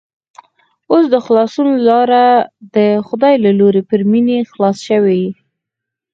اوس د خلاصون لاره د خدای له لوري پر مينې خلاصه شوې